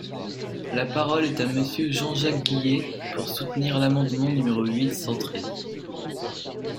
La parole est à Monsieur Jean-Jacques Guillet, pour soutenir l’amendement numéro huit cent treize.